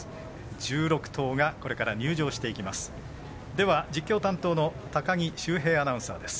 １６頭がこれから入場していきます。